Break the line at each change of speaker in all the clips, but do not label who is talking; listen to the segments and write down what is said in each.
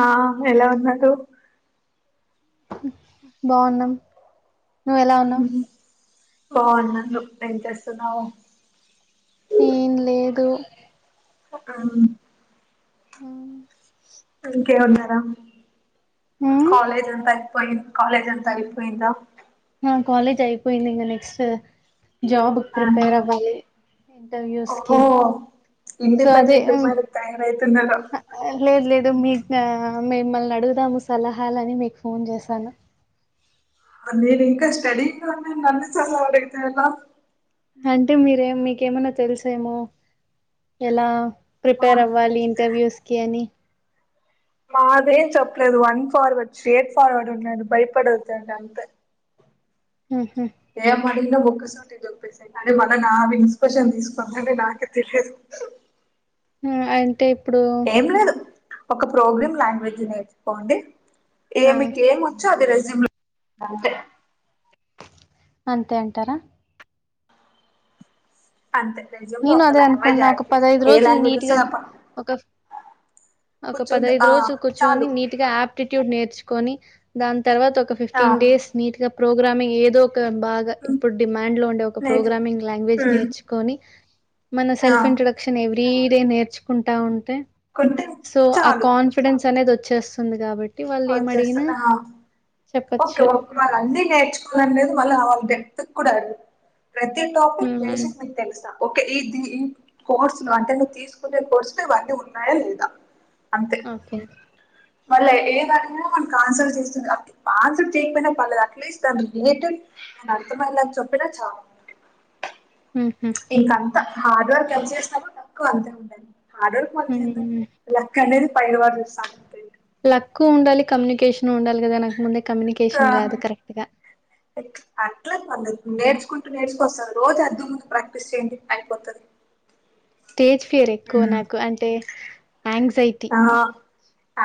ఆ ఎలా ఉన్నారూ
బాగున్నాం నువ్వు ఎలా ఉన్నావు
బాగున్నాను ఏం చేస్తున్నావ్
ఏం లేదు
ఆ
ఉమ్
ఇంకే ఉన్నారా కాలేజ్ అంతా అయిపోయింది కాలేజ్ అంత అయిపోయిందా
ఆ కాలేజ్ అయిపోయింది ఇంకా నెక్స్ట్ జాబ్
ఆ
ప్రిపేర్ అవ్వాలి ఇంటర్వ్యూస్ కి
ఓహో
సో అదే
ఇండిపెండెంట్ ఉమెన్ తయారవుతున్నారు
లేదు లేదు మీ మిమ్మల్ని అడుగుదాము సలహాలని మీకు ఫోన్ చేశాను
నేను ఇంకా స్టడీ [unintelligible]
అంటే మీరే మీకేమన్నా తెలుసేమో ఎలా ప్రిపేర్
మా-
అవ్వాలి ఇంటర్వ్యూస్ కి అని
మాదేం చెప్పలేదు వన్ ఫార్వడ్ స్ట్రెయిట్ ఫార్వడ్ ఉందండి భయపడదు అంతే
ఉహు
ఏం అడిగిన ఒక [unintelligible] నా ఇన్స్పిరేషన్ తీసుకోందంటే నాకే తెలియదు
అంతే
ఏం లేదు ఒక ప్రోగ్రామ్ లాంగ్వేజ్ నేర్చుకోండి ఇగ
ఆ
మీకు ఏమి వచ్చో అది రెజ్యమ్ లో అంటే
అంతే అంటారా
అంతే రెజ్యూమ్ లో
నేను
ఒక
అదే
లాంగ్వేజ్
అనుకున్నా
యాడ్
ఒక
చేయి
పదైదు
ఏ
రోజులు
లాంగ్వేజ్
నీట్గా
వస్తదో అప్ప
ఒక ఒక
కూర్చుంటే
పదైదు
ఆ
రోజులు కూర్చొని
చాలు
నీట్ గా ఆప్టిట్యూడ్ నేర్చుకో కోని దాని తర్వాత ఒక
ఆ
ఫిఫ్టీన్ డేస్ నీట్ గా ప్రోగ్రామింగ్ ఏదో బాగా
ఉమ్
ఇప్పుడు డిమాండ్ లో ఉండే ఒక
నేర్చు
ప్రోగ్రామింగ్ లాంగ్వేజ్
ఉమ్
నేర్చుకొని మన
ఆ
సెల్ఫ్ ఇంట్రొడక్షన్ ఎవ్రీ డే నేర్చుకుంటా ఉంటె
కుంటే
సో ఆ
చాలు
కాన్ఫిడెన్స్ అనేది వచ్చేస్తుంది కాబట్టి
వచ్చేస్తాన్న
చెప్పచ్చు.
ఓకేఓ అన్ని నేర్చుకోవాలనేది మళ్ళ వాళ్ళ [unintelligible] కూడా ప్రతి టాపిక్
హ్మ్.
బేసిక్ మీకు తెలుసా ఓకే ఈ ద ఈ కోర్సు ను అంటే నువ్వు తీసుకునే కోర్సులో ఇవన్నీ ఉన్నాయా లేదా
ఓకే
మళ్ళ ఏదన్న అన్సర్ చేస్తుంది ఆన్సర్ చేయకపోయినా పర్లేదు అట్లీస్ట్ అది రిలేటెడ్ అర్థమయ్యేలా చెప్పిన
మ్ హు
ఇంకంత హార్డ్ వర్క్ ఎంత చేసినా కుడా తక్కువ అంతే ఉంటది హార్డ్ వర్క్ మనం చేద్దాం
హ్మ్.
లక్కనే పైన [unintelligible]
లక్ ఉండాలి కమ్యూనికేషన్ ఉండాలి కదా నాకు ముందే
క
కమ్యూనికేషన్ రాదు కరెక్ట్‌గా.
అట్లా పర్లే నేర్చుకుంటూ నేర్చుకోొస్తా రోజు అద్ధం ముందు ప్రాక్టీస్ చేయండి అయిపోతది
స్టేజ్ ఫిర్ ఎక్కువ నాకు అంటే యాంగ్జైటీ.
ఆ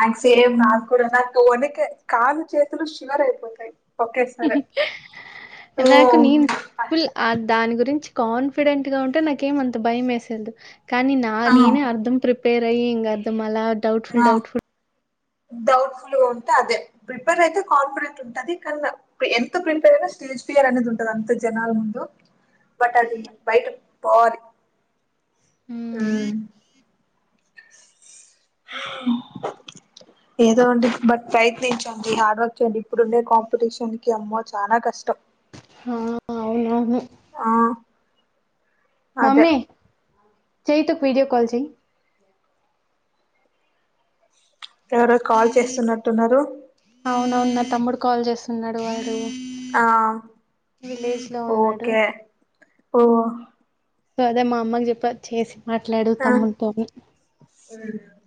అ సేమ్ నాకు కూడా నాకు ఓనుకే కాళ్లు చేతులు షివర్ అయిపోతాయి ఒకేసారి ఓ
నాకు నీను ఫుల్ ఆ దాని గురించి కాన్ఫిడెంట్ గా ఉంటే నాకేమంత భయం వేసేదు కానీ నా
ఆ
నేనే అర్ధం ప్రీ ిపేర్ అయి ఇంగ ద్ మళ్ళ డౌట్ఫుల్ డౌట్ఫుల్
డౌట్ఫుల్గా ఉంటే అదే ప్రిపేర్ అయితే కాన్ఫిడెంట్ ఉంటుంది కాన్నా ఎంత ప్రిపేర్ అయి స్టేజ్ ఫియర్ అనేది ఉంటది అంత జనాల ముందు బట్ అది బయట పారీ మ్ ఏదో అండి బట్ ప్రయత్నించండి హార్డ్ వర్క్ చేయండి ఇప్పుడుండే కాంపిటీషన్ కి అమ్మో చాలా కష్టం
ఆవును అవునవును
ఆ అదే
మమ్మీ చైతు కి వీడియో కాల్ చేయ
ఎవరో కాల్ చేస్తున్నట్టున్నారు
అవునవును నా తమ్ముడు కాల్ చేస్తున్నాడు వాడు
ఆ
విలేజ్ లో ఉన్నాడు
ఓకే ఓ
సో అదే మా అమ్మకి చెప్ప చేసి మాట్లాడు తమ్మునితోని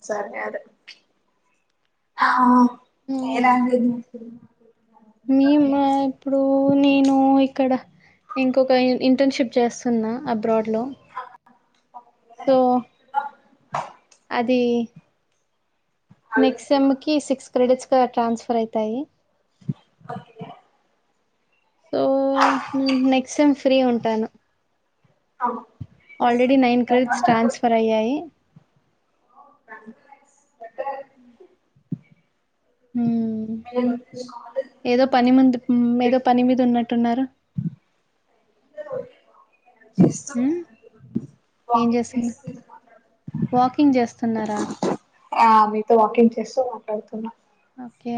సర్ కాదు ఆ ఏ లాంగ్వేజ్ తీసుకున్నాడు
మీము ఇప్పుడు నేను ఇక్కడ ఇంకొక ఇంటర్న్షిప్ చేస్తున్నా అబ్రాడ్ లో సో అది నెక్స్ట్ ఎమ్ కి సిక్స్ క్రెడిట్స్ ట్రాన్స్ఫర్ అవుతాయి సో నేను నెక్స్ట్ సేమ్ ఫ్రీ ఉంటాను
అవును
already nine credits
next [unintelligible] [inaudible]
transfer అయ్యాయి
[unintelligible] [inaudible]
మ్ ఏదో పని ముందు ఏదో పని మీద ఉన్నట్టున్నారు మ్ ఏం
వాకింగ్
చేస్తుంది
చేస్తూ మీతో మాట్లాడుతున్నా
వాక్ కింగ్ చేస్తున్నారా
ఆ మీతో వాకింగ్ చేస్తూ మాట్లాడుతున్నా
ఓకే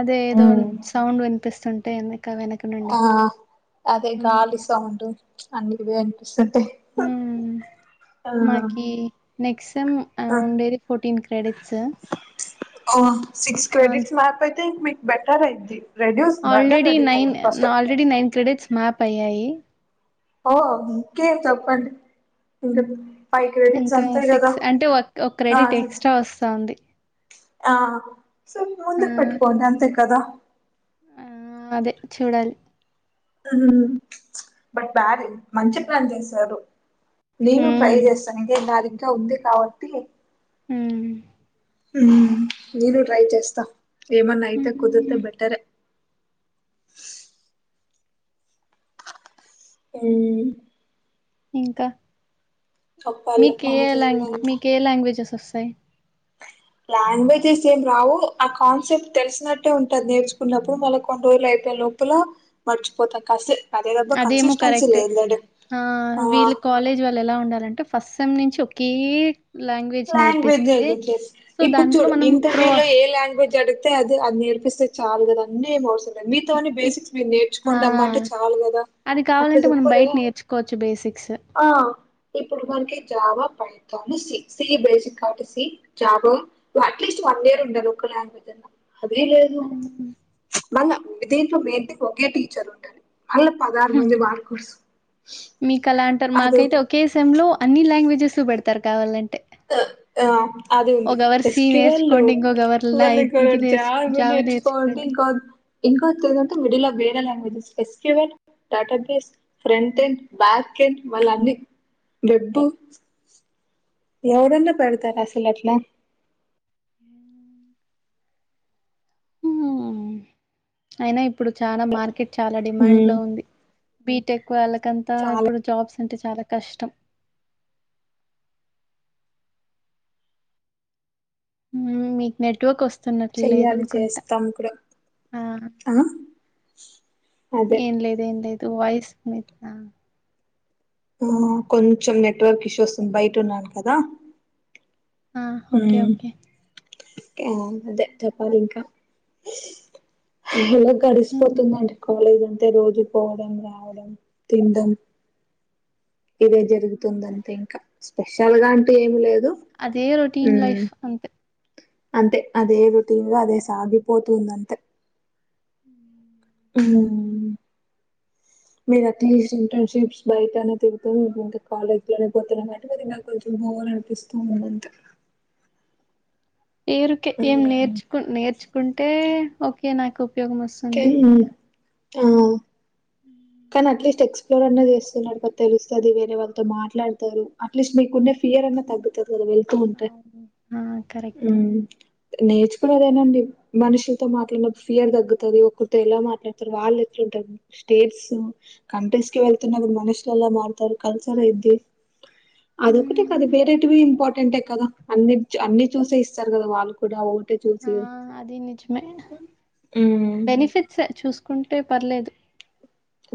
అదే ఏదో సౌండ్ వినిపిస్తుంటే వెనక నుండి
ఆ అదే
హ్మ్
గాలి సౌండ్ అన్ని వినిపిస్తుంది
మ్ మాకి
ఆ
నెక్స్ట్ సెమ్ ఉండేది ఫోర్టీన్ క్రెడిట్స్
మ్ సిక్స్ క్రెడిట్స్ మ్యాప్ అయితే ఇక మీకు బెటర్ అయిద్ది reduce burden
already
reduce
nine
అయిద్ది first
already nine credits map అయ్యాయి
ఓ ఇంకేమ్ చెప్పండి ఇంక
ఇంకా సిక్స్ అంటే ఒక
ఆ
క్రెడిట్
సిక్స్
ఎక్స్ట్రా వస్తాంది
ఆ సం ముందుకు పెట్టుకోండి అంతే కదా
ఆ! అదే చూడాలి
మ్ బట్ డాడీ మంచి పని చేశారు నేను ట్రై
హ్మ్.
చేస్తాను ఇదే దారింకా ఉంది కాబట్టి
హమ్మ్
హ నేను ట్రై చేస్తా ఏమన్నా అయితే కుదిరితే
హ్మ్.
బెటరే [inaudible] [unintelligible] మ్మ్
ఇంకా
చెప్పాలి
మీకు ఏ ఏలాంగ్
మాదేందంత
మీకు ఏ లాంగ్వేజెస్ వస్తాయి
లాంగ్వేజెస్ ఏం రావు ఆ కాన్సెప్ట్ తెలిసినట్టే ఉంటది నేర్చుకున్నప్పుడు మళ్ళీ కొన్ని రోజులు అయిపో లోపల మర్చిపోతాం కాసేపు
అదేమో కరెక్టే ఆ వీళ్లు కాలేజ్ వాళ్ళు ఎలా ఉండాలంటే ఫస్ట్ సెమ్ నుంచి కి
లాంగ్వేజ్ ఏదో చేస్
సో,
ఇప్పుడు
దాంట్లో
చూడు
మనం ప్రో
ఇంటర్వ్యూ లో ఏ లాంగ్వేజ్ అడిగితే అది అది నేర్పిస్తే చాలు కదా అన్నీ ఏమి అవసరం లేదు మిగతా అన్ని
ఇప్
బేసిక్స్ మీరు
ఆ!
నేర్చుకోండి అమ్మా అంటే చాలు కదా
అది
అట్లా
కావాలంటే మనం
చెప్పరే
బయట నేర్చుకోవచ్చు బేసిక్స్
ఆ ఇప్పుడు మనకి Java Python C C basic కాబట్టి C job at least one year ఉండదు ఒక లాంగ్వేజన్నా అదీ లేదు
హ్మ్.
మళ దీంట్లో వెంటికీ ఒకే టీచర్ ఉంటరు
హ్ మీకు అలా అంటారు
అది
మాకైతే ఒకే సెమ్ లో అన్ని లాంగ్వేజెస్ పెడతారు కావాలంటే
ఆ అది ఉంది
ఒకవరు
ఎస్
సి
క్యూ్యూ ఎల్
నేర్చుకోండి ఇంకొకవరు లా ఇది నేర్చు
[unintelligible]
జావా నేర్చుకోండి
నెస్కోకా [unintelligible] ఇంకో తేడా అంటే మిడిల్ లో వేరే languages S Q L database front end back కేడి మళ్ళ అన్ని డబ్బు ఎవడన్నా పెడతార అసలట్లా
హ్మ్ అయినా ఇప్పుడు చాలా మార్కెట్ చాలా డిమాండ్ లో ఉంది బీటెక్ వాళ్ళకంతా
చాలా
ఇప్పుడు జాబ్స్ అంటే చాలా కష్టం మ్ మీకు నెట్వర్క్ వస్తుందా
చెయ్యాలి చేస్తాం కూడా
ఆ
ఆ అదే
ఏం లేదు ఏం లేదు వాయిస్ మీద
ఆ కొంచెం నెట్వర్క్ ఇష్యూ వస్తుంది బయట ఉన్నాను కదా
ఆ ఓకే
ఉమ్
ఓకే
అదే చెప్పాలి ఇంకా
హ్మ్
గడిసిపోతుందండి కాలేజ్ ఉంటే రోజు పోవడం రావడం తినడం ఏదో జరుగుతుంది అంతే ఇంకా స్పెషల్ గా అంటే ఏమి లేదు
అదే రొటీన్
ఉమ్
లైఫ్ అంతే
అంతే అదే రుటీన్ లో అదే సాగిపోతుంది అంతే
ఉ
ఆ మీరు అట్లీస్ట్ ఇంటర్న్షిప్స్ బయటనే తిరుతారు ఇంకా కాలేజ్ లోనే పోతానన్నమాట మది నాకు కొంచెం పోల్డిపిస్తూ ఉందంత
పేరుకే ఏం నేర్చుకు నేర్చుకుంటే ఓకే నాకు ఉపయోగం వస్తుంది
అ కానీ అట్లీస్ట్ ఎక్స్ప్లోర్ అన్నా చేస్తున్నాడు కదా తెలుస్తుంది వేరే వాళ్ళతో మాట్లాడతారు అట్లీస్ట్ మీకుండ ఫియర్న్నా తగ్తది కదా వెళ్తూ ఉంటే
అవును ఆ కరెక్ట్
నేర్చుకున్నదేనాండి మనుషులతో మాట్లాడినప్పు ఫియర్ తగ్గుతుంది ఒకరితో ఎలా మాట్లాడతారు వాళ్ళు ఎట్ స్టేట్స్ కంట్రీస్ క వెళ్తన్నా మనుషుల ఎ మతారు కల్చర్ ఇది అదొ ఒకటిే క అదు
హ్మ్
వేర ఇంపార్ ంటే కదా అన్ని అన్ని చూసే ఇస్తారు కదా వాళ్ళు కూడా
ఆ
చూసి
అది నిజమే
ఉమ్
బెనిఫిట్స్ చూసుకుంటే పర్లేదు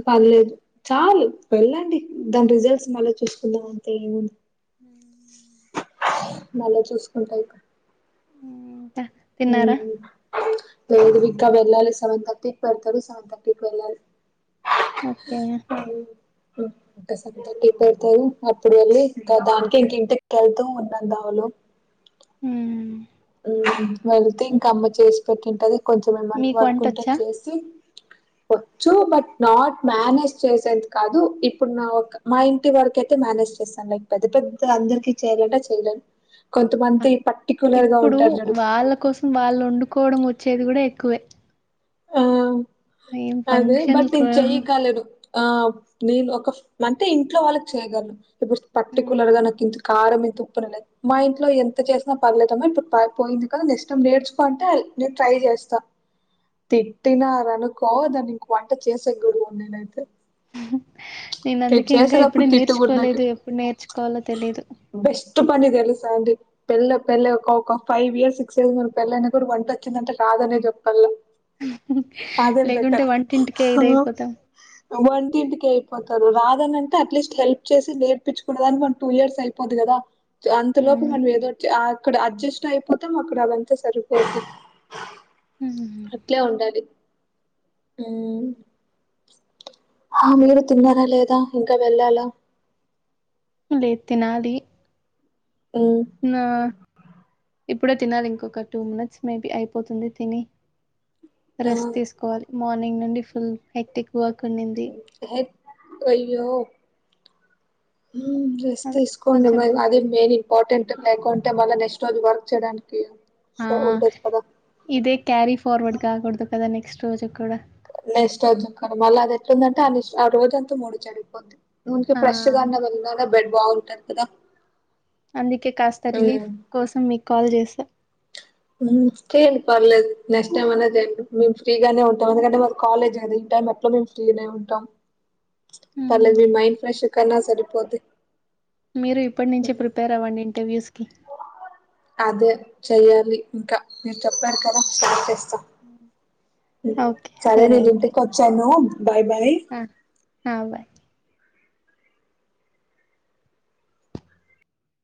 పదిలేదు చాలు వెళ్ళండి దాని రిజల్ట్స్ మళ్ళా చూసుకుందాం అంతే ఏముంది
హ
మళ్ళా చూసుకుంటా ఇప్పు
ఇంకా తిన్నారా
హ బిగ గా వెళ్ళాలి సెవెన్ థర్టీకి పెడతారు సెవెన్ ర్టీకి వెళ్ళాలి
ఓకే
క్కసపతారు అప్పుడు వెళ ఇంకా దానికి ఇంక ఇంటికి వెళ్తూ ఉన్న దావులు
హ
వెళ్తే ఇంక అమ్మ చేసి పెట్టింటది కొంచెం ఏమ
మీకు
వర్క్ ఉంటే
వంటొచ్చా
చేసి బట్ నాట్ మేనేజ్ చేసే కాదు ఇప్పుడు నా మా ఇంటి వరకుయితే మేనేజ్ చే ై పెద్ద పెద్ద అందరికి చేయాలంటే చెయలే కొంతమంది పర్టికులర్ గా ఉ
ఇప్పుడు వాళ్ళ కోసం వాళ్ళు వండుకోవడం వచ్చేది కూడా ఎక్కువే
ఆ
ఏం
అద
ఫంక్షన్లు
బట్ ఇన్
కూడా
చెయ్య కాలెడు ఆ నేను ఒక అంటే ఇంట్లో వాళ్ళకి చేయగలను ఇప్పుడు పర్టికులర్
ఉమ్.
గా నాకు ఇ కారంమ తుప్పున లేదు మా ఇంట్లో ఎంత చేసినా పర్లేదమో ఇప్పుడు పోయింది కదా ఇష్టం నేర్చుకో అంటే న ట్రై చేస్తా తిట్టినారనుకో దాన్ని ఇంక వంట చేసే గురువు నేనైతే
నేను అందుకే ఇంకా
చేసేటప్పుడు
ఇప్పుడే
తిట్టకూడదు నాకు.
నేర్చుకోలేదు ఎప్పుడు నేర్చుకోవాలో తెలిదు
బెస్ట్ పని తెలుసుా అండి పెళ్ పెళ్ ఒక ఫైవ్ ఇయర్స్ సిక్స్ ఇయర్ పెళ్ైన కూడా వంట వచ్చిందంటే అదనే చెప్పాల అదే
లేకుంటే
పెెట్టర్
వంటింటికే ఇదయిపోతాం
వంటీంటకియిపో రాదనంటే అట్లీస్ట్ హెల్ప్ చేసి నేర్పించుకున్న దానికి ఒకన్ టూ ఇయర్స్ అయిపోదు కదా అంతలోపు మనం ఏదోచ్చ అక్కడ అడ్జస్ట్ అయిపోతాం అక్కడ అవంతా సరిపోద్ది అట్లా ఉండాలి అ మీ తున్నారా లేదా ఇంకా వెళ్ళాలా
లేద్ తినాలి
ఉమ్.
నా ఇప్పుడే తినాలి ఇంకొక టూ మినిట్స్ మేబీ అయిపోతుంది తిని
ఆ
రెస్ట్ తీసుకోవాలి మార్నింగ్ నుండి ఫుల్ హైక్టిక్ వాక్ ఉంంది
గయ్యో డ్రెస్
అదే
తీసుకోండి
కొంచెం
మరి అది మెయిన్ ఇంపార్టెంట్ లేకుంటే మళ్ళ నెక్స్ట్ రోజు వర్క్ చేయడానికి
ఆ
ఉండదు కదా
ఇదే క్యారి ఫార్వర్డ్ కాగూడదు కదా నెక్స్ట్ రోజు కూడా
నెస్ వచ్చుక్క మళ్ళీ అది ఎట్లుందంటే ఆస్ ఆ రోజంతా మూడి చెడిగిపోద్ది ఊనికి
ఆ
ఫ్రెష్ గా అన్న వెళదా బెడ్ బాగుంటది కదా
అందుకే కాస్త
ఉమ్
రిలీఫ్ కోసం మీక్ కాల్ చేసా
చేయండి పర్లేదు నెక్స్ట్ టైమ్ అనేది మేము ఫ్రీగానే ఉంటాం ఎందుకంటే మా కాలేజ్ అది టయి మట్లా మేము ఫ్రీనే ఉంటాం పర్లేద్ మీ
మ్మ్.
మైండ్ ఫ్రెష్ కయినా సరిపోదు
మీరు ఇప్పటి నుంచే ప్రిపేర్ అవ్వండి ఇంటర్వ్యూస్కి
అదే చెయ్యాలి ఇంక మీరు చెప్పారు కదా స్పార్ట్ చేస్త
అ
సరే నేను ఇంటికి వచ్చాను బాయ్ బాయ్
అ ఆ బాయ్